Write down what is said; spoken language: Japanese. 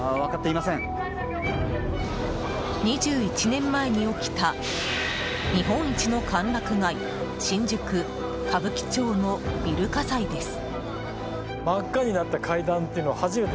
２１年前に起きた日本一の歓楽街新宿・歌舞伎町のビル火災です。